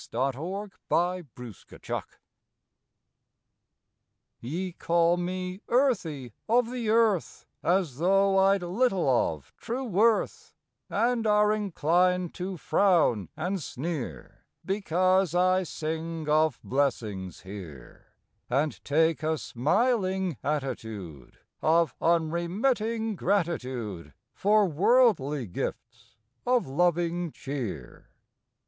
May Fourth A TOAST TO EARTH \7"E call me "earthy of the earth" As though I d little of true worth, And are inclined to frown and sneer Because I sing of blessings here, And take a smiling attitude Of unremitting gratitude For "worldly" gifts of loving cheer.